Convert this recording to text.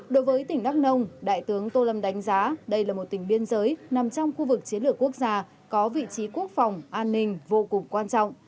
đối với tỉnh đắk nông đại tướng tô lâm đánh giá đây là một tỉnh biên giới nằm trong khu vực chiến lược quốc gia có vị trí quốc phòng an ninh vô cùng quan trọng